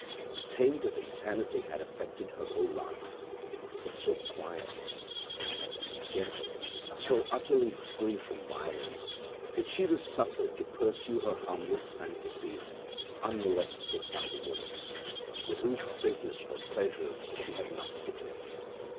A taint of insanity had affected her whole life, but so quiet, sad, and gentle, so utterly free from violence, that she was suffered to pursue her harmless fantasies, unmolested by the world, with whose business or pleasures she had naught to do.